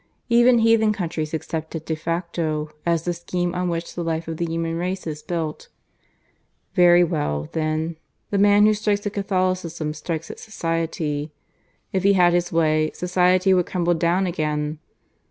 Even heathen countries accept it de facto as the scheme on which the life of the human race is built. Very well, then, the man who strikes at Catholicism strikes at society. If he had his way society would crumble down again.